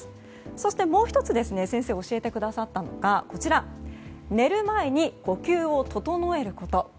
そして、もう１つ先生が教えてくださったのが寝る前に呼吸を整えること。